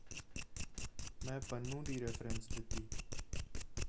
ਮੈਂ ਪਨੂੰ ਦੀ ਰੈਫਰੈਂਸ ਦਿਤੀ